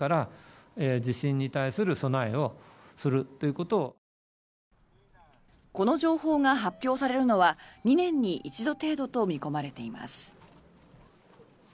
この情報が発表されるのは２年に一度程度と見込まれています。